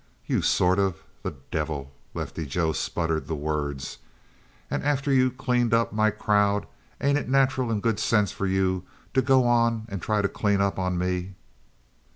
"You sort of the devil!" Lefty Joe sputtered the words. "And after you cleaned up my crowd, ain't it natural and good sense for you to go on and try to clean up on me?"